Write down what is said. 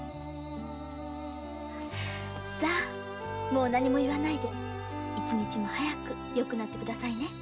もう何も言わないで一日も早くよくなって下さいね。